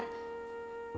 lo harus berhati hati